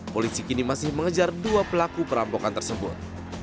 polisi kini masih mengejar dua pelaku perampokan tersebut